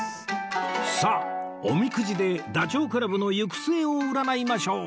さあおみくじでダチョウ倶楽部の行く末を占いましょう